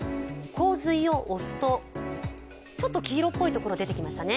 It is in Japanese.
洪水を押すと、黄色っぽいところ出てきましたね。